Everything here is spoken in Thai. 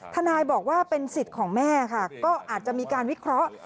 ทนายบอกว่าเป็นสิทธิ์ของแม่ค่ะก็อาจจะมีการวิเคราะห์